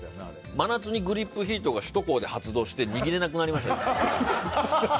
真夏にグリップヒートが首都高で発動して握れなくなりました。